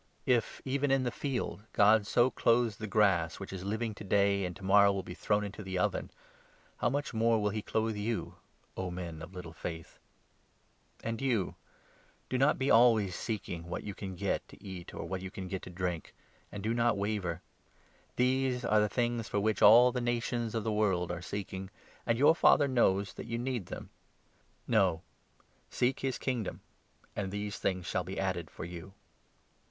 If, even in the field, God so clothes the grass 28 which is living to day and to morrow will be thrown into the oven, how much more will he clothe you, O men of little faith ! And you — do not be always seeking what you can get to eat 29 or what you can get to drink ; and do not waver. These are the 30 things for which all the nations of the world are seeking, and your Father knows that you need them. No, seek his Kingdom, 31 and these things shall be added for you.